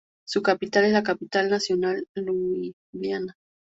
Su capital es la capital nacional Liubliana.